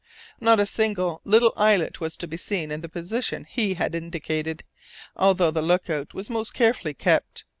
Not a single little islet was to be seen in the position he had indicated, although the look out was most carefully kept.